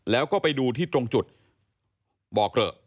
แล้วก็ไปดูที่ตรงจุดบ่อเกลอะ